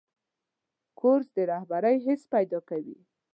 کورس د رهبرۍ حس پیدا کوي.